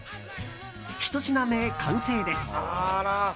ひと品目、完成です。